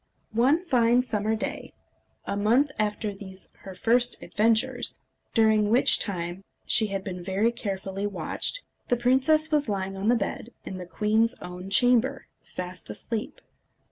_ One fine summer day, a month after these her first adventures, during which time she had been very carefully watched, the princess was lying on the bed in the queen's own chamber, fast asleep.